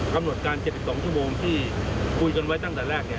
กำหนดการ๗๒ชั่วโมงที่คุยกันไว้ตั้งแต่แรก